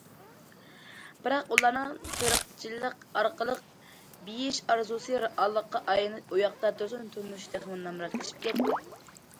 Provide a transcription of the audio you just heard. بىراق ئۇلارنىڭ تېرىقچىلىق ئارقىلىق بېيىش ئارزۇسى رېئاللىققا ئايلىنىش ئۇياقتا تۇرسۇن، تۇرمۇشى تېخىمۇ نامراتلىشىپ كەتتى.